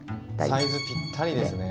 サイズぴったりですね。